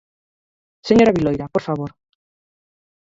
Señora Viloira, por favor.